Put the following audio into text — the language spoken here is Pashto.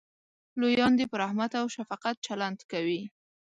لویان دې په رحمت او شفقت چلند کوي.